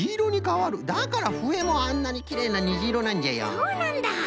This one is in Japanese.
そうなんだ！